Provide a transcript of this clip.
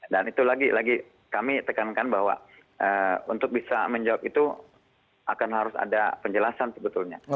dan itu lagi lagi kami tekankan bahwa untuk bisa menjawab itu akan harus ada penjelasan sebetulnya